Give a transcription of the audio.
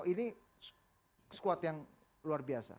ini squad yang luar biasa